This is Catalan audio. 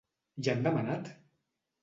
Ja han demanat?